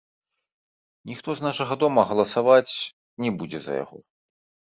Ніхто з нашага дома галасаваць не будзе за яго.